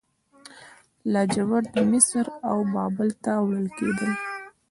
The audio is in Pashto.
لاجورد مصر او بابل ته وړل کیدل